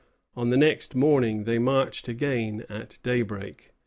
On the next morning they marched again at daybreak.